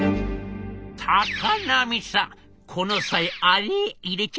「高波さんこの際あれ入れちゃいましょうよ。